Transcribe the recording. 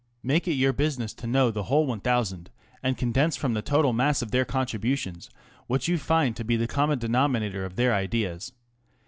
Make it your business to know the whole 1,000, and condense from the total mass of their con tributions what you find to be the common denomi nator of their ideas.